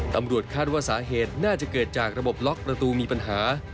ตำรวจคาดว่าสาเหตุน่าจะเกิดจากระบบล็อกประตูมีปัญหา